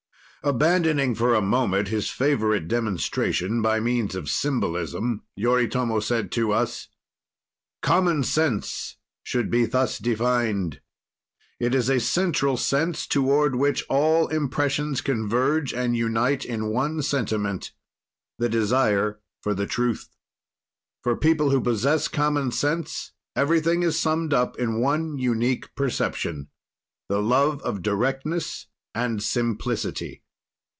Abandoning for a moment his favorite demonstration by means of symbolism, Yoritomo said to us: "Common sense should be thus defined: "It is a central sense, toward which all impressions converge and unite in one sentiment the desire for the truth. "For people who possess common sense, everything is summed up in one unique perception: "The love of directness and simplicity.